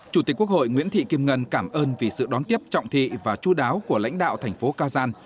chủ tịch quốc hội nguyễn thị kim ngân cảm ơn vì sự đón tiếp trọng thị và chú đáo của lãnh đạo thành phố kazan